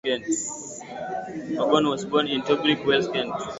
Waghorn was born in Tunbridge Wells, Kent.